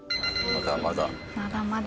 まだまだ。